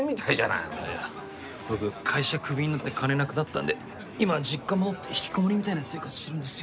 いや僕会社クビになって金なくなったんで今実家戻って引きこもりみたいな生活してるんですよ。